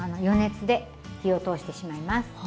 余熱で火を通してしまいます。